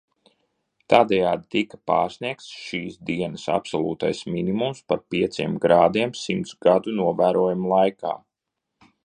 Tādējādi tika pārsniegts šīs dienas absolūtais minimums par pieciem grādiem simt gadu novērojumu laikā.